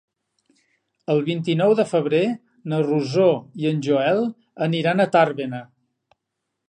El vint-i-nou de febrer na Rosó i en Joel aniran a Tàrbena.